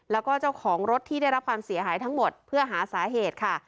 แล้วก็เจ้าของรถที่ได้รับความเสียหายทั้งหมดเพื่อหาสาเหตุค่ะ